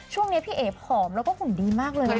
ช่วงนี้พี่เอ๋ผอมแล้วก็หุ่นดีมากเลยนะคะ